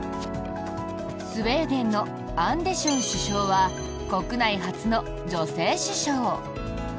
スウェーデンのアンデション首相は国内初の女性首相。